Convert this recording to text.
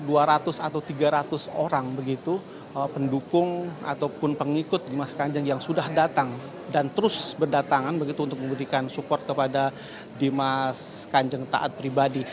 ada dua ratus atau tiga ratus orang begitu pendukung ataupun pengikut dimas kanjeng yang sudah datang dan terus berdatangan begitu untuk memberikan support kepada dimas kanjeng taat pribadi